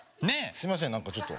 すみませんなんかちょっと。